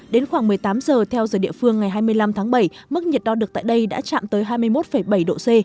đến khoảng một mươi tám giờ theo giờ địa phương ngày hai mươi năm tháng bảy mức nhiệt đo được tại đây đã chạm tới hai mươi một bảy độ c